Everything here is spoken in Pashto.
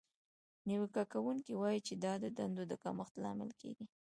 نیوکه کوونکې وایي چې دا د دندو د کمښت لامل کیږي.